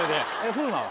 風磨は？